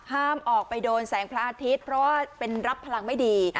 ห้ามออกไปโดนแสงพระอาทิตย์เพราะว่าเป็นรับพลังไม่ดี